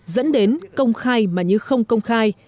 dẫn đến công khai mà như không công khai